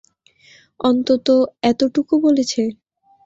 অন্তত এতটুকো বলেছে।